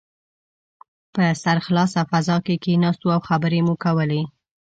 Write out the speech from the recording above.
په سرخلاصه فضا کې کښېناستو او خبرې مو کولې.